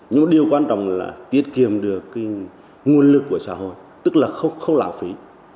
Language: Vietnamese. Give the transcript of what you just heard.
nhưng điều quan trọng là tiết kiệm được nguồn lực của xã hội tức là không lãng phí